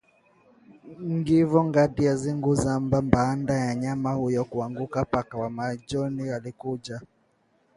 Kifo kati ya siku baada ya mnyama huyo kuanguka